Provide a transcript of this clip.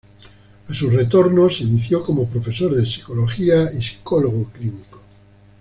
A su retorno, se inició como profesor de Psicología y psicólogo clínico.